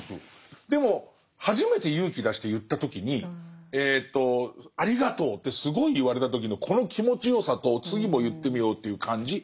でも初めて勇気出して言った時に「ありがとう」ってすごい言われた時のこの気持ちよさと次も言ってみようという感じ。